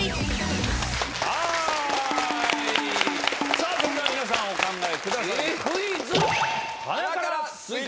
さあそれではみなさんお考えください。